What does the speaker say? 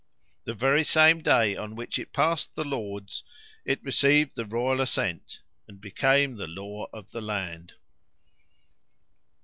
The very same day on which it passed the Lords, it received the royal assent, and became the law of the land.